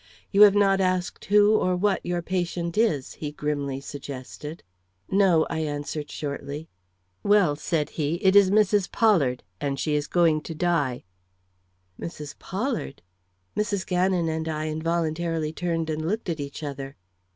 "You have not asked who or what your patient is," he grimly suggested. "No," I answered shortly. "Well," said he, "it is Mrs. Pollard, and she is going to die." Mrs. Pollard! Mrs. Gannon and I involuntarily turned and looked at each other.